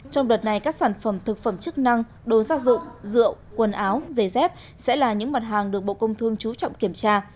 trong đợt này các sản phẩm thực phẩm chức năng đồ gia dụng rượu quần áo giày dép sẽ là những mặt hàng được bộ công thương chú trọng kiểm tra